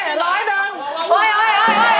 ขอประสุนขอประสุนครับพี่